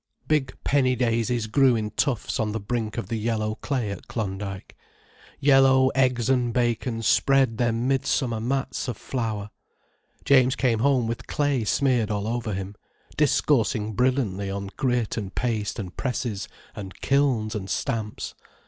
Big penny daisies grew in tufts on the brink of the yellow clay at Klondyke, yellow eggs and bacon spread their midsummer mats of flower. James came home with clay smeared all over him, discoursing brilliantly on grit and paste and presses and kilns and stamps.